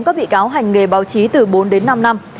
các bị cáo hành nghề báo chí từ bốn đến năm năm